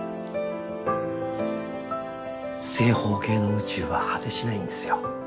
正方形の宇宙は果てしないんですよ。